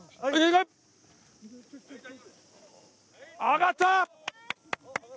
揚がった！